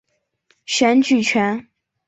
选举权。